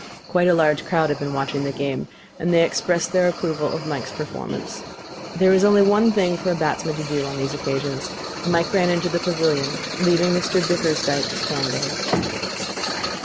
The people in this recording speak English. Quite a large crowd had been watching the game, and they expressed their approval of Mike's performance. There is only one thing for a batsman to do on these occasions. Mike ran into the pavilion, leaving Mr Bickersdyke standing.